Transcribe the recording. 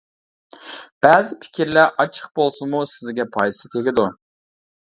بەزى پىكىرلەر ئاچچىق بولسىمۇ سىزگە پايدىسى تېگىدۇ.